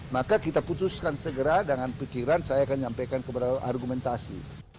maka kita putuskan segera dengan pikiran saya akan nyampaikan kepada argumentasi